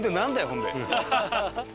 ほんで。